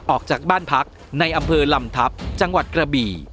ออกจากบ้านพักในอำเภอลำทัพจังหวัดกระบี่